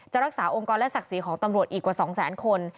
รักษาองค์กรและศักดิ์ศรีของตำรวจอีกกว่า๒แสนคน